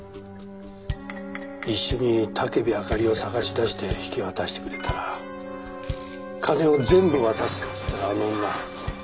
「一緒に武部あかりを捜し出して引き渡してくれたら金を全部渡す」っつったらあの女